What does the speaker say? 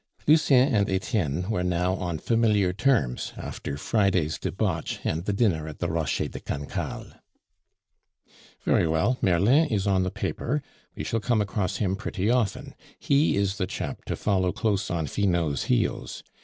Lucien and Etienne were now on familiar terms after Friday's debauch and the dinner at the Rocher de Cancale. "Very well, Merlin is on the paper; we shall come across him pretty often; he is the chap to follow close on Finot's heels.